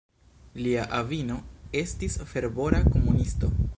Lia avino estis fervora komunisto.